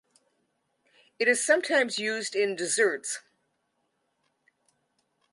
It is sometimes used in desserts.